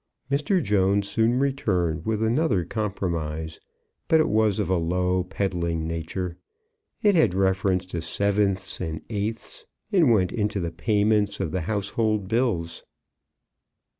Mr. Jones soon returned with another compromise; but it was of a low, peddling nature. It had reference to sevenths and eighths, and went into the payments of the household bills.